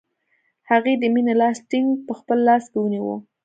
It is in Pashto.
هغې د مینې لاس ټینګ په خپل لاس کې ونیوه